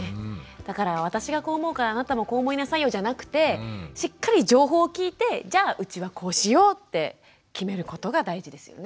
だから私がこう思うからあなたもこう思いなさいよじゃなくてしっかり情報を聞いてじゃあうちはこうしようって決めることが大事ですよね。